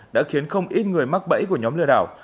đã khiến không ít người mắc bẫy của nhóm lừa đảo